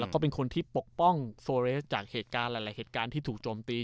แล้วก็เป็นคนที่ปกป้องโซเรสจากเหตุการณ์หลายเหตุการณ์ที่ถูกโจมตี